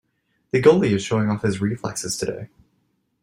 The goalie is showing off his reflexes today.